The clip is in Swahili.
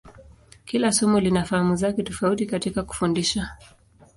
Kila somo lina fahamu zake tofauti katika kufundisha.